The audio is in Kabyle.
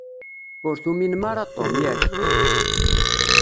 Ur tuminem ara Tom, yak?